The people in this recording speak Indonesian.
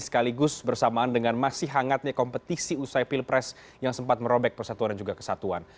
sekaligus bersamaan dengan masih hangatnya kompetisi usai pilpres yang sempat merobek persatuan dan juga kesatuan